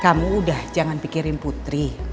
kamu udah jangan pikirin putri